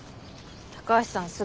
高橋さん